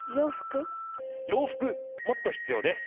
洋服もっと必要です。